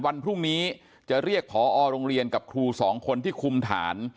วันพรุ่งนี้จะเรียกพอโรงเรียนกับครูสองคนที่คุมฐาน